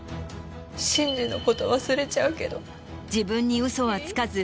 真司のこと忘れちゃうけど。